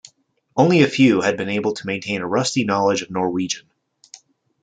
Only a few had been able to maintain a rusty knowledge of Norwegian.